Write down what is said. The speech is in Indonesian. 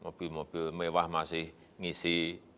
mobil mobil mewah masih ngisi